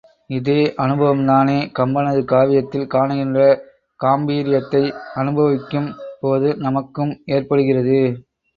இதே அனுபவம்தானே கம்பனது காவியத்தில் காணுகின்ற காம்பீர்யத்தை அனுபவிக்கும் போது நமக்கும் ஏற்படுகிறது!